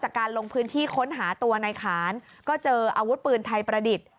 การลงพื้นที่ค้นหาตัวในขานก็เจออาวุธปืนไทยประดิษฐ์